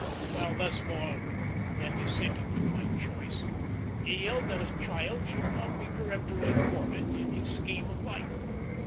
While thus more than dissenting from my choice, he held that a child should not be peremptorily thwarted in his scheme of life.